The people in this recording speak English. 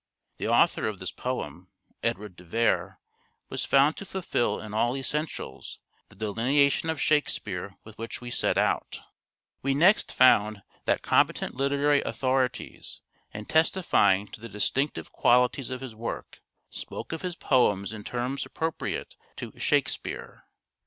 The author of this poem, Edward de Vere, was found to fulfil in all essentials the delinea tion of Shakespeare with which we set out, 493 494 "SHAKESPEARE' IDENTIFIED We next found that competent literary authorities, in testifying to the distinctive qualities of his work, spoke of his poems in terms appropriate to " Shake speare."